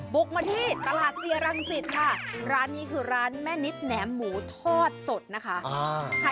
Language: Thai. บุกมาที่ตลาดเซียรังสิตค่ะร้านนี้คือร้านแม่นิดแหนมหมูทอดสดนะคะ